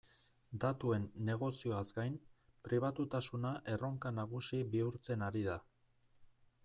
Datuen negozioaz gain, pribatutasuna erronka nagusi bihurtzen ari da.